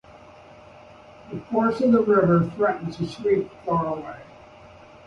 The force of the river threatened to sweep Thor away.